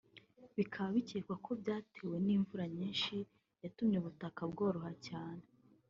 bikaba bikekwa ko byatewe n’imvura nyinshi yatumye ubutaka bworoha cyane